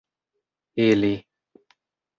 ili